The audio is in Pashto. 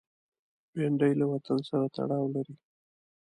بېنډۍ له وطن سره تړاو لري